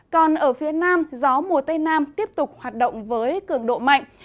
còn ở phía nam gió mùa tây nam tiếp tục hoạt động với cường độ mạnh